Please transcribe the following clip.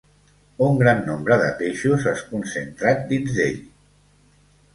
Un gran nombre de peixos és concentrat dins d'ell.